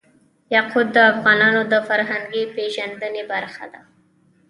یاقوت د افغانانو د فرهنګي پیژندنې برخه ده.